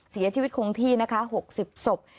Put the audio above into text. เสียชีวิตคงที่นะคะ๖๐ศพ